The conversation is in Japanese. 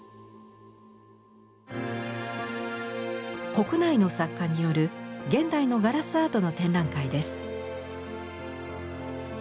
国内の作家による現代のガラスアートの展覧会です。